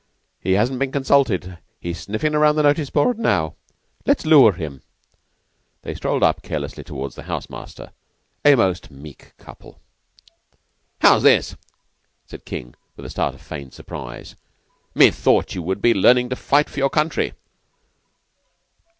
He hasn't been consulted, he's sniffin' round the notice board now. Let's lure him." They strolled up carelessly towards the house master a most meek couple. "How's this?" said King with a start of feigned surprise. "Methought you would be learning to fight for your country."